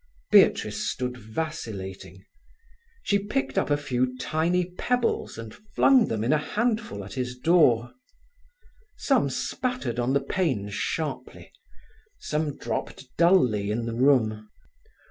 Beatrice stood vacillating. She picked up a few tiny pebbles and flung them in a handful at his door. Some spattered on the panes sharply; some dropped dully in the room.